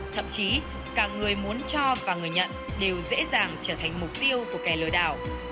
thậm chí cả người muốn cho và người nhận đều dễ dàng trở thành mục tiêu của kẻ lừa đảo